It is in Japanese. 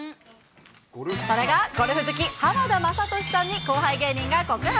それが、ゴルフ好き、浜田雅功さんに後輩芸人が告白。